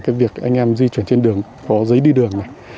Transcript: cái việc anh em di chuyển trên đường có giấy đi đường này